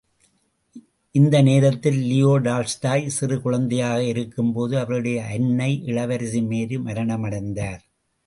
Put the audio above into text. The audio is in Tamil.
இந்த நேரத்தில் லியோ டால்ஸ்டாய் சிறு குழந்தையாக இருக்கும்போதே அவருடைய அன்னை இளவரசி மேரி மரணமடைந்தார்.